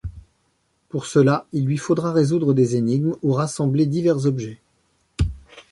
Pour cela, il lui faudra résoudre des énigmes ou rassembler divers objets.